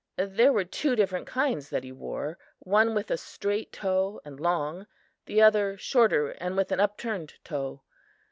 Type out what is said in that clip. There were two different kinds that he wore; one with a straight toe and long; the other shorter and with an upturned toe.